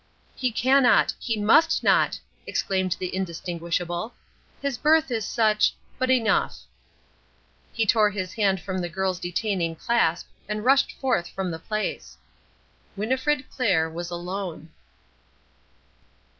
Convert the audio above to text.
"He cannot! He must not!" exclaimed the Indistinguishable. "His birth is such but enough!" He tore his hand from the girl's detaining clasp and rushed forth from the place. Winnifred Clair was alone.